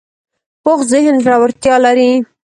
پوخ ذهن زړورتیا لري